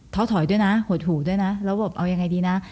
้อถอยด้วยนะหดหูด้วยนะระบบเอายังไงดีนะ